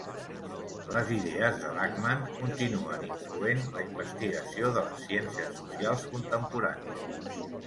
Les idees de Lachmann continuen influent la investigació de les ciències socials contemporànies.